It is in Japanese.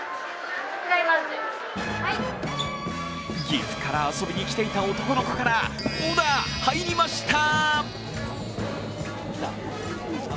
岐阜から遊びに来ていた男の子からオーダー入りました！